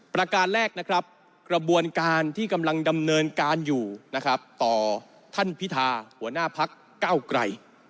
ประการแรกนะครับกระบวนการที่กำลังดำเนินการอยู่นะครับต่อท่านพิธาหัวหน้าพักเก้าไกร